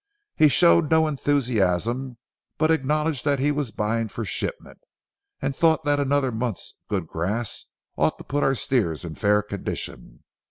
He showed no enthusiasm, but acknowledged that he was buying for shipment, and thought that another month's good grass ought to put our steers in fair condition.